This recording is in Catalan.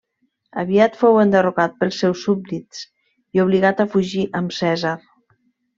Aviat fou enderrocat pels seus súbdits i obligat a fugir amb Cèsar.